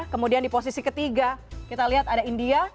kemudian di posisi ketiga kita lihat ada india